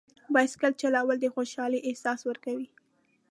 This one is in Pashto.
بایسکل چلول د خوشحالۍ احساس ورکوي.